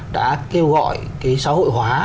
đã kêu gọi cái xã hội hóa